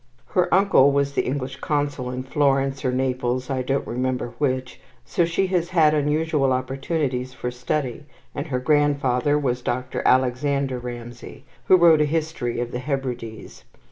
Her uncle was the English Consul in Florence or Naples, I don't remember which, so she has had unusual opportunities for study; and her grandfather was Dr. Alexander Ramsay, who wrote a history of the Hebrides.